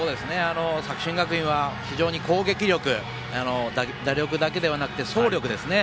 作新学院は非常に攻撃力、打力だけではなく走力ですね。